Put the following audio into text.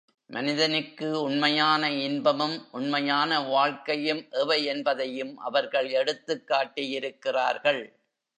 மனிதனுக்கு உண்மையான இன்பமும், உண்மையான வாழ்க்கையும் எவை என்பதையும் அவர்கள் எடுத்துக் காட்டி யிருக்கிறார்கள்.